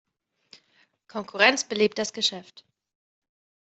Konkurrenz belebt das Geschäft.